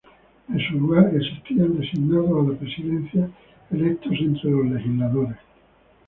En su lugar existían "designados a la presidencia" electos entre los legisladores.